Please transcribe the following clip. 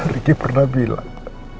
riki pernah bilang